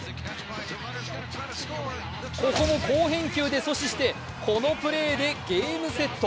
ここも好返球で阻止してこのプレーでゲームセット。